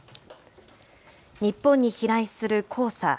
日本に飛来する黄砂。